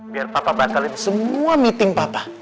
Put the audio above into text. biar papa bakalin semua meeting papa